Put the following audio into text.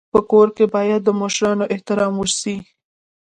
په کور کي باید د مشرانو احترام وسي.